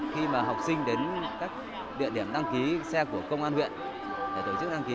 khi mà học sinh đến các địa điểm đăng ký xe của công an huyện để tổ chức đăng ký